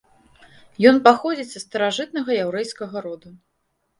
Ён паходзіць са старажытнага яўрэйскага роду.